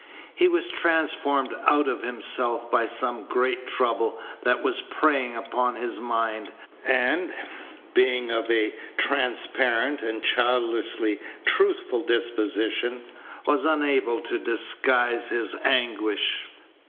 He was transformed out of himself by some great trouble that was preying upon his mind, and, being of a transparent and childishly truthful disposition, was unable to disguise his anguish.